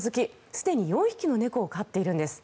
すでに４匹の猫を飼っているんです。